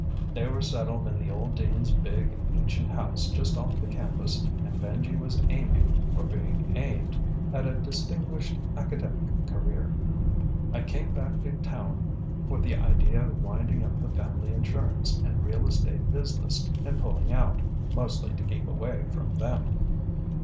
They were settled in the old dean's big, ancient house just off the campus and Benji was aiming or being aimed at a distinguished academic career. I came back to town with the idea of winding up the family insurance and real estate business and pulling out, mostly to keep away from them.